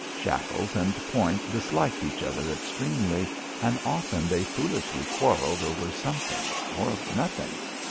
Shackles and Point disliked each other extremely, and often they foolishly quarrelled over something, or nothing.